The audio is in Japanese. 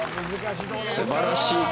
素晴らしい。